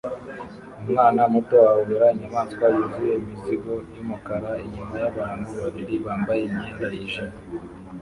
Umwana muto ahobera inyamaswa yuzuye imizigo yumukara inyuma yabantu babiri bambaye imyenda yijimye